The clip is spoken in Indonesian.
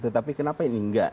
tetapi kenapa ini enggak